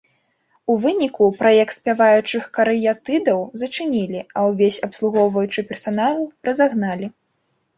У выніку праект спяваючых карыятыдаў зачынілі, а ўвесь абслугоўваючы персанал разагналі.